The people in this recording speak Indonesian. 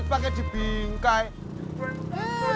cuy pakai di bingkai